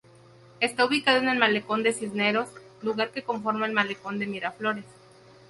Está ubicado en el malecón Cisneros, lugar que conforma el malecón de Miraflores.